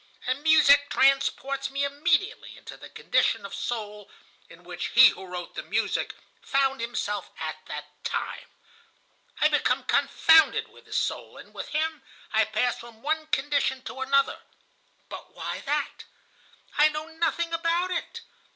And music transports me immediately into the condition of soul in which he who wrote the music found himself at that time. I become confounded with his soul, and with him I pass from one condition to another. But why that? I know nothing about it?